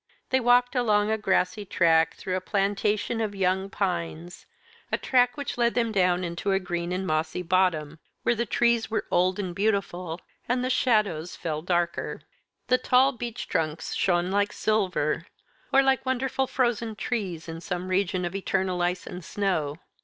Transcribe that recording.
They walked along a grassy track through a plantation of young pines a track which led them down into a green and mossy bottom, where the trees were old and beautiful, and the shadows fell darker. The tall beech trunks shone like silver, or like wonderful frozen trees in some region of eternal ice and snow.